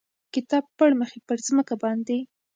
کتاب پړمخې پر مځکه باندې،